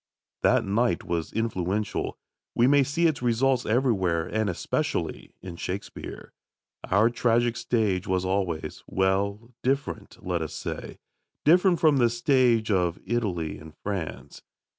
That night was influential. We may see its results everywhere, and especially in Shakespeare. Our tragic stage was always well, different, let us say different from the tragic stage of Italy and France.